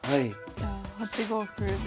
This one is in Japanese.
じゃあ８五歩で。